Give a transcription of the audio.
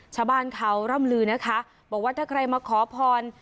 ชาวบ้านเขาร่ำลือนะคะบอกว่าถ้าใครมาขอพร